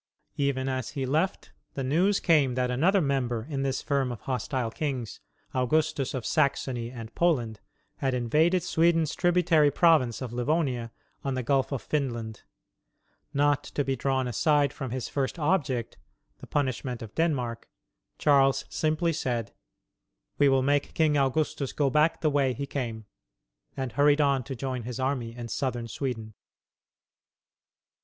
Even as he left, the news came that another member in this firm of hostile kings, Augustus of Saxony and Poland, had invaded Sweden's tributary province of Livonia on the Gulf of Finland. Not to be drawn aside from his first object the punishment of Denmark Charles simply said, "We will make King Augustus go back the way he came," and hurried on to join his army in southern Sweden.